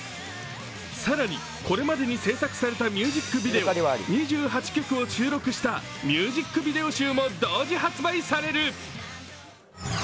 更にこれまでに制作されたミュージックビデオ２６曲を収録したミュージックビデオ集も同時発売される。